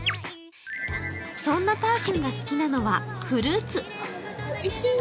そんなたー君が好きなのはフルーツ。